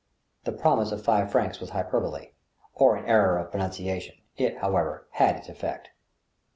The promise of five francs was hyperbole, or an error of pro nunciation; it, however, had its effect.